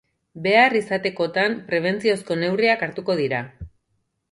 Behar izatekotan, prebentziozko neurriak hartuko dira.